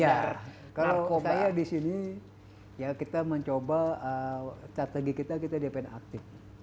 ya kalau saya di sini ya kita mencoba strategi kita kita depend aktif